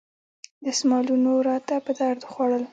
دستمالونو راته په درد وخوړل.